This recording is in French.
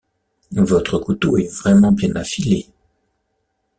Votre couteau est vraiment bien affilé!